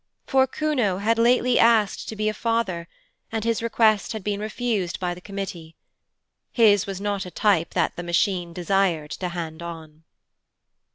For Kuno had lately asked to be a father, and his request had been refused by the Committee. His was not a type that the Machine desired to hand on.